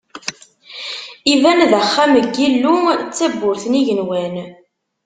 Iban d axxam n Yillu, d tabburt n igenwan.